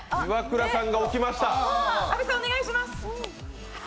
阿部さん、お願いします！